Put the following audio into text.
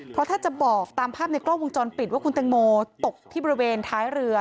เพราะถ้าจะบอกตามภาพในกล้องวงจรปิดว่าคุณแตงโมตกที่บริเวณท้ายเรือ